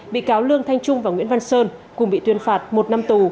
bị cáo lương thanh trung và nguyễn văn sơn cùng bị tuyên phạt một năm tù